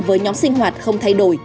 với nhóm sinh hoạt không thay đổi